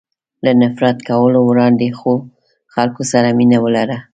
له نفرت کولو وړاندې خلکو سره مینه ولره.